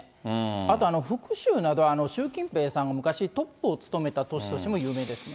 あと福州など、習近平さんが昔、トップを務めた都市としても有名ですね。